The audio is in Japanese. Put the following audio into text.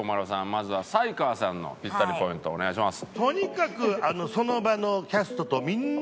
まずは才川さんのピッタリポイントをお願いします。